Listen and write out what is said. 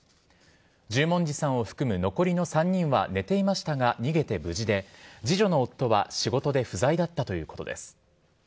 十文字さんを含む残りの３人は寝ていましたが、逃げて無事で次女の夫は仕事で不在だったということです。